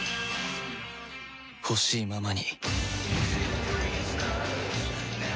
ほしいままに